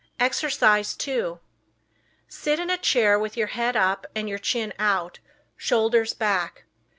Exercise 2 Sit in a chair with your head up and your chin out, shoulders back.